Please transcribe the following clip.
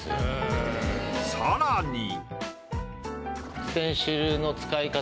さらに。